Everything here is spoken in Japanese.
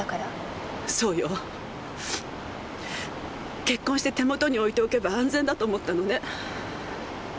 そうよ。結婚して手元に置いておけば安全だと思ったのね。